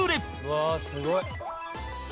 「うわーすごい！」